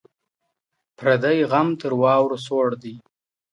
پردى غم تر واورو سوړ دئ.